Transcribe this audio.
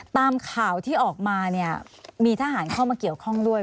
ตามข่าวที่ออกมาเนี่ยมีทหารเข้ามาเกี่ยวข้องด้วย